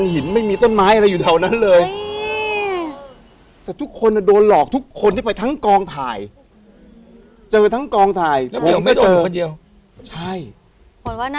คุณโดนยังไงค่ะ